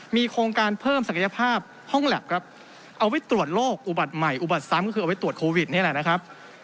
มีโครงการเพิ่มศักยภาพห้องแล็บครับเอาไว้ตรวจโรคอุบัติใหม่อุบัติซ้ำก็คือเอาไว้ตรวจโควิดนี่แหละนะครับ